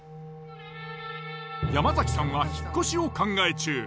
山崎さんは引っ越しを考え中。